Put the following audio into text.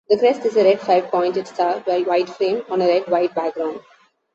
The crest is a red five-pointed star, white framed, on a red-white background.